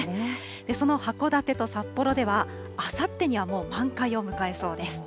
その函館と札幌では、あさってにはもう満開を迎えそうです。